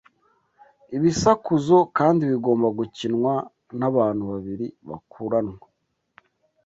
Ibisakuzo kandi bigomba gukinwa n’abantu babiri bakuranwa